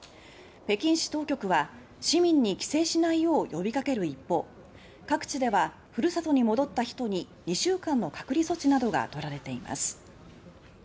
北京市当局は市民に帰省しないよう呼びかける一方各地ではふるさとに戻った人に２週間の隔離措置などが取られています。